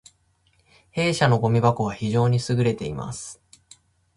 弊社のごみ箱は非常に優れています